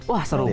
wah seru banget